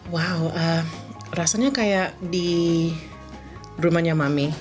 wow rasanya kayak di rumahnya mami